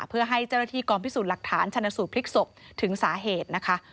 เพื่อให้เจ้าหน้าที่กองพิสูจน์หลักฐานชนสูตรพลิกศพถึงสาเหตุนะคะ